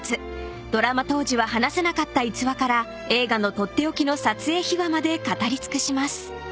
［ドラマ当時は話せなかった逸話から映画の取って置きの撮影秘話まで語り尽くします］